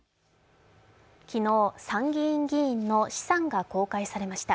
昨日、参議院議員の資産が公開されました。